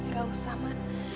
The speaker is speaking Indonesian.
gak usah ma